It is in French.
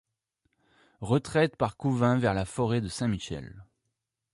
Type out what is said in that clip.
Retraite par Couvin vers la forêt de Saint-Michel.